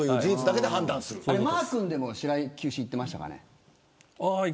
マー君でも白井球審、行っていましたかね。